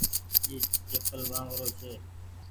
اي چيپل مآنگ رو ڇي۔